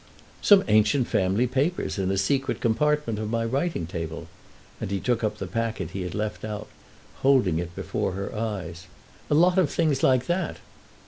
"Some ancient family papers, in a secret compartment of my writing table." And he took up the packet he had left out, holding it before her eyes. "A lot of other things like that."